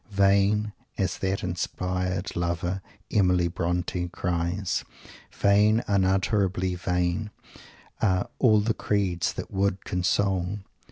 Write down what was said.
"Vain," as that inspired Lover, Emily Bronte, cries, "vain, unutterably vain, are 'all the creeds' that would console!"